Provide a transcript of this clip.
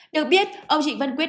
được biết ông trịnh văn nguyên